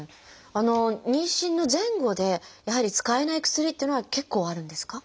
妊娠の前後でやはり使えない薬っていうのは結構あるんですか？